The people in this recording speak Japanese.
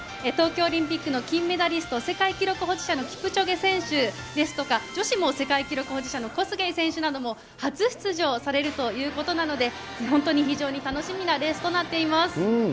東京オリンピックの金メダリスト、世界記録保持者のキプチョゲ選手ですとか、女子も世界記録保持者のコスゲイ選手なども初出場されるということなので、本当に非常に楽しみなレースとなっています。